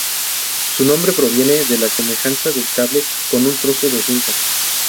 Su nombre proviene de la semejanza del cable con un trozo de cinta.